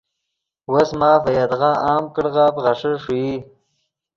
وس ماف ڤے یدغا عام کڑغف غیݰے ݰوئی